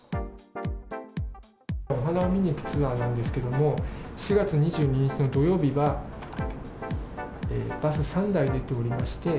お花を見に行くツアーなんですけれども、４月２２日の土曜日は、バス３台出ておりまして。